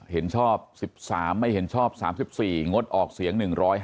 เห็นชอบ๑๓ไม่เห็นชอบ๓๔งดออกเสียง๑๕